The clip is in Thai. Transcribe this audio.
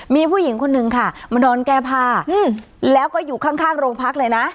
มีผู้หญิงคนนึงค่ะมานอนแก้ผ้าแล้วก็อยู่ข้างโรงพักเลยนะ